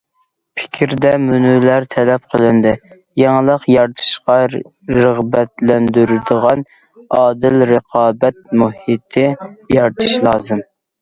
پىكىردە مۇنۇلار تەلەپ قىلىندى: يېڭىلىق يارىتىشقا رىغبەتلەندۈرىدىغان ئادىل رىقابەت مۇھىتى يارىتىش لازىم.